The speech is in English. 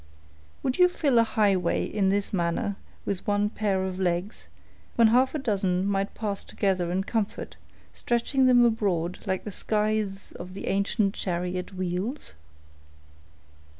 "Would you fill a highway, in this manner, with one pair of legs, when half a dozen might pass together in comfort, stretching them abroad like the scythes of the ancient chariot wheels?"